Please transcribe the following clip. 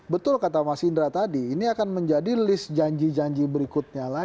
betul kata mas indra tadi ini akan menjadi list janji janji berikutnya lagi